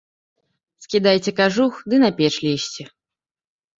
Скідайце кажух ды на печ лезьце.